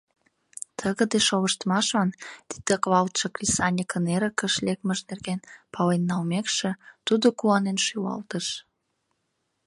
Тыгыде шолыштмашлан титаклалтше кресаньыкын эрыкыш лекмыж нерген пален налмекше, тудо куанен шӱлалтыш.